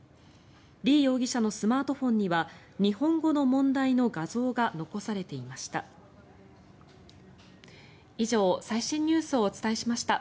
リ容疑者のスマートフォンには日本語の問題の画像が残されていました。